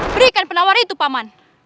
berikan penawar itu paman